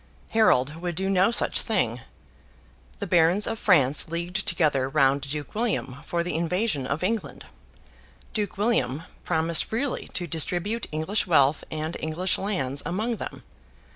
Harold would do no such thing. The barons of France leagued together round Duke William for the invasion of England. Duke William promised freely to distribute English wealth and English lands among them.